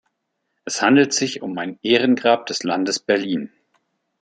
Es handelt sich um ein Ehrengrab des Landes Berlin.